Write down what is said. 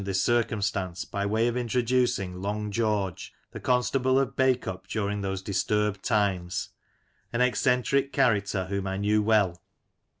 this circumstance by way of introducing "Long George," the constable of Bacup during those disturbed times, an eccentric character whom I knew well.